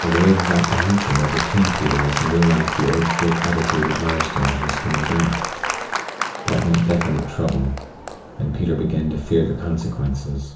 A wave of apprehension overcame Peter as he realized the old flip attitude of Mirestone's was coming back. That meant definite trouble, and Peter began to fear the consequences.